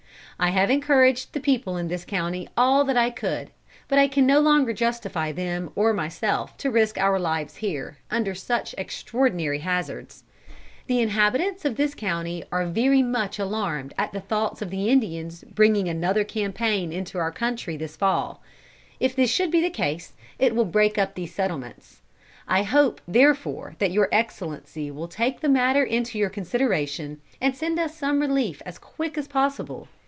"I have encouraged the people in this county all that I could; but I can no longer justify them or myself to risk our lives here, under such extraordinary hazards. The inhabitants of this county are very much alarmed at the thoughts of the Indians bringing another campaign into our country this fall. If this should be the case, it will break up these settlements. I hope therefore that Your Excellency will take the matter into your consideration, and send us some relief as quick as possible.